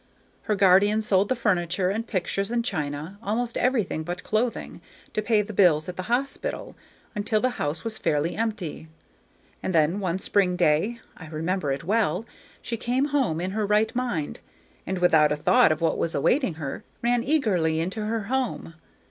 Her guardian sold the furniture and pictures and china, almost everything but clothing, to pay the bills at the hospital, until the house was fairly empty; and then one spring day, I remember it well, she came home in her right mind, and, without a thought of what was awaiting her, ran eagerly into her home.